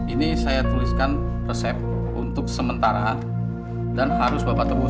ini saya tuliskan resep untuk sementara dan harus bapak tebus